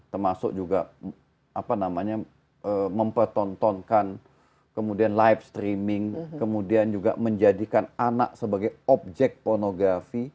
termasuk juga mempertontonkan kemudian live streaming kemudian juga menjadikan anak sebagai objek pornografi